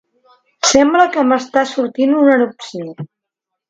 Sembla que m'està sortint una erupció.